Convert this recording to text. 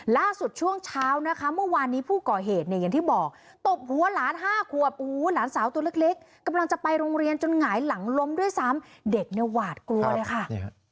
ช่วงเช้านะคะเมื่อวานนี้ผู้ก่อเหตุเนี่ยอย่างที่บอกตบหัวหลาน๕ขวบหลานสาวตัวเล็กกำลังจะไปโรงเรียนจนหงายหลังล้มด้วยซ้ำเด็กเนี่ยหวาดกลัวเลยค่ะ